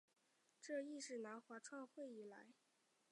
这亦是南华创会以来首次缺席香港顶级联赛赛事。